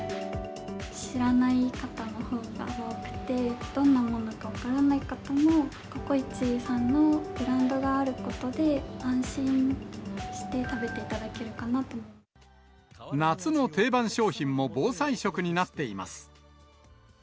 知らない方のほうが多くて、どんなものか分からない方も、ココイチさんのブランドがあることで、安心して食べていただける夏の定番商品も防災食になっています。